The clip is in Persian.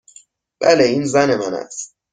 بله. این زن من است.